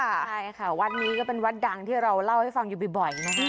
ใช่ค่ะวัดนี้ก็เป็นวัดดังที่เราเล่าให้ฟังอยู่บ่อยนะคะ